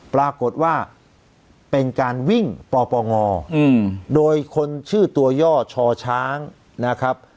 ปรากฏว่าเป็นการวิ่งปปงโดยคนชื่อตัวย่อชอช้างนะครับ